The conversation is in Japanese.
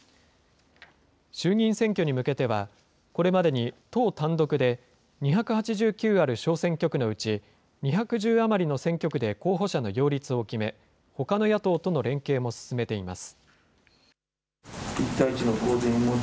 衆議院選挙に向けては、これまでに党単独で、２８９ある小選挙区のうち、２１０余りの選挙区で候補者の擁立を決め、ほかの野党との連携も進めています。